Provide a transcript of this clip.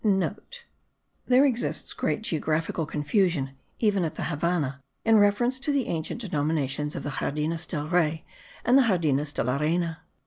(* There exists great geographical confusion, even at the Havannah, in reference to the ancient denominations of the Jardines del Rey and Jardines de la Reyna.